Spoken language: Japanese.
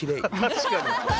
確かに！」